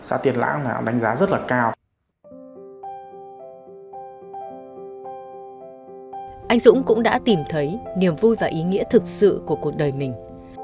anh dũng cũng đã tìm thấy niềm vui và ý nghĩa thực sự của cuộc đời mình